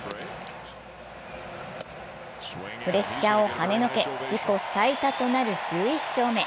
プレッシャーをはねのけ、自己最多となる１１勝目。